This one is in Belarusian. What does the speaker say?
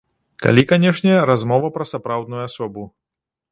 Калі, канешне, размова пра сапраўдную асобу.